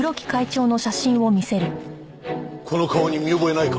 この顔に見覚えないか？